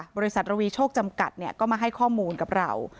บริษัทระวีโชคจำกัดก็มาให้ข้อมูลกับเรา